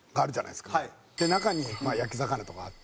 で中に焼き魚とかあって。